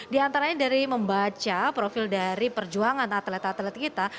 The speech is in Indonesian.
diantaranya dari membaca profil dari perjuangan atlet atlet kita